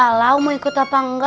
kira kira kamu mau ikut apa enggak